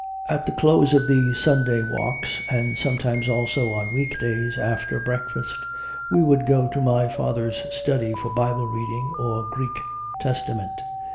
At the close of these Sunday walks, and some times also on weekdays after breakfast, we would go to my father s study for Bible reading or Greek Testament.